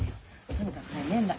とにかくね年内。